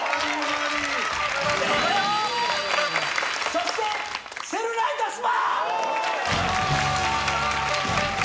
そしてセルライトスパ！